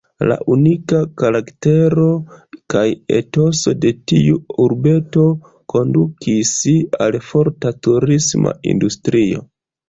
La unika karaktero kaj etoso de tiu urbeto kondukis al forta turisma industrio.